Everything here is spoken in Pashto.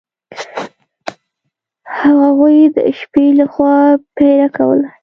هغوی د شپې له خوا پیره کوله.